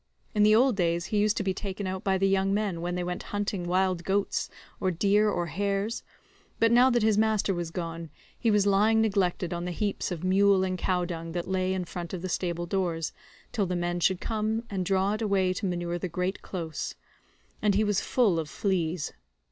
In the old days he used to be taken out by the young men when they went hunting wild goats, or deer, or hares, but now that his master was gone he was lying neglected on the heaps of mule and cow dung that lay in front of the stable doors till the men should come and draw it away to manure the great close; and he was full of fleas.